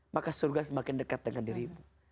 maka surga semakin dekat dengan dirimu